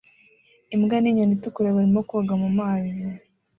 imbwa ninyoni itukura barimo koga mumazi